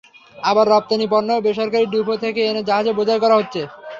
আবার রপ্তানি পণ্যও বেসরকারি ডিপো থেকে এনে জাহাজে বোঝাই করা হচ্ছে।